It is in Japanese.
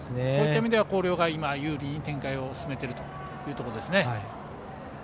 そういった意味では広陵が有利に展開を進めているところです。